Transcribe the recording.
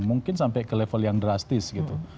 mungkin sampai ke level yang drastis gitu